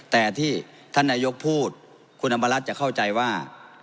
แต่ที่ท่านนายกพูดคุณอำมารัฐจะเข้าใจว่า